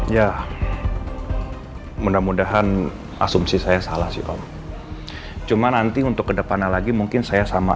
ya mudah mudahan asumsi saya salah sih om cuma nanti untuk kedepannya lagi mungkin saya sama